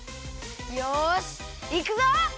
よしいくぞ！